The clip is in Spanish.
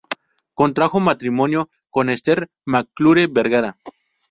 Contrajo matrimonio con Ester Mac-Clure Vergara.